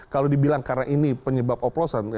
karena ini penyebab oplosan